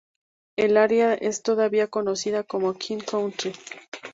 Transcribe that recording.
El área es todavía conocida como King Country.